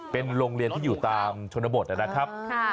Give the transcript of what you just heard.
เป็นโรงเรียนที่อยู่ตามชนบทนะครับ